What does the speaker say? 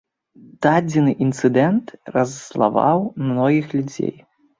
Дадзены інцыдэнт раззлаваў многіх людзей.